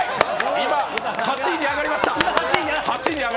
今、８位に上がりました。